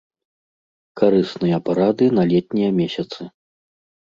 Карысныя парады на летнія месяцы.